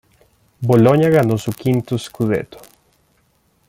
Bologna ganó su quinto "scudetto".